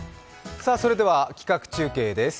それでは企画中継です。